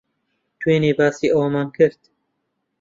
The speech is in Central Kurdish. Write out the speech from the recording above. دوێنێ باسی ئەوەمان کرد.